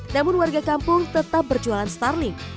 namun warga kampung tetap berjualan starling